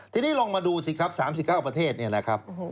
ทีนี้ลองมาดูสิครับ๓๙ประเทศเนี่ยนะครับ